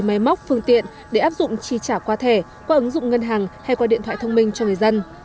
máy móc phương tiện để áp dụng tri trả qua thẻ qua ứng dụng ngân hàng hay qua điện thoại thông minh cho người dân